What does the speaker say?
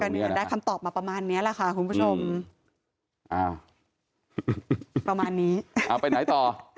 เนี่ยได้คำตอบมาประมาณนี้แหละค่ะคุณผู้ชมอ้าวประมาณนี้เอาไปไหนต่อ